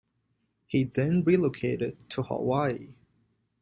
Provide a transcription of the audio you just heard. He then relocated to Hawaii.